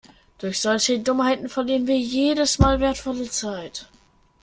Durch solche Dummheiten verlieren wir jedes Mal wertvolle Zeit.